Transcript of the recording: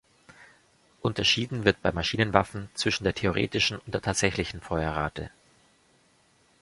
Unterschieden wird bei Maschinenwaffen zwischen der theoretischen und der tatsächlichen Feuerrate.